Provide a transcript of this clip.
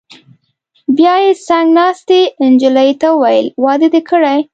بیا یې څنګ ناستې نجلۍ ته وویل: واده دې کړی؟